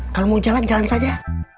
kalau mau jalan jalan saja